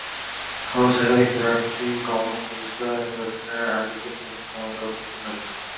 অবশ্য একাধিক প্রার্থী কমানোর প্রচেষ্টা নির্বাচনের আগের দিন পর্যন্ত আমাদের অব্যাহত থাকবে।